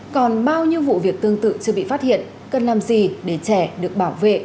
còn bao nhiêu vụ việc tương tự chưa bị phát hiện cần làm gì để trẻ được bảo vệ